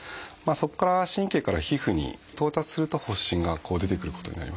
そこから神経から皮膚に到達すると発疹が出てくることになります。